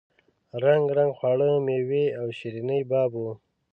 رنګ رنګ خواړه میوې او شیریني باب وو.